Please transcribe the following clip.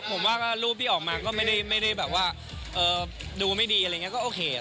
ผมว่าก็รูปพี่ออกมาไม่ได้แบบว่าดูไม่ดีก็โอเค